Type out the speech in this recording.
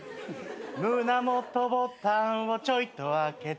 「胸元ボタンをちょいと開けて」